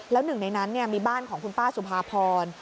แล้วหนึ่งในนั้นมีบ้านของคุณป้าสุภาพร